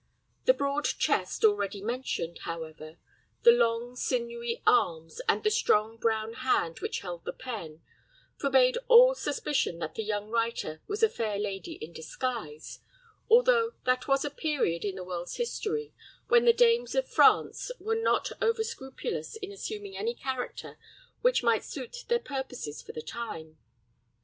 The broad chest already mentioned, however, the long, sinewy arms, and the strong brown hand which held the pen, forbade all suspicion that the young writer was a fair lady in disguise, although that was a period in the world's history when the dames of France were not overscrupulous in assuming any character which might suit their purposes for the time.